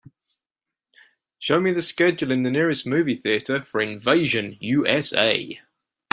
Show me the schedule in the nearest movie theatre for Invasion U.S.A..